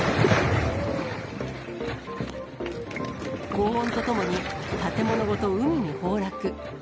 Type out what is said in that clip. ごう音とともに、建物ごと海に崩落。